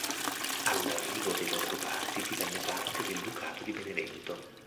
All'arrivo dei Longobardi divenne parte del Ducato di Benevento.